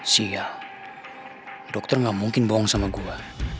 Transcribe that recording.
sial dokter gak mungkin bohong sama gue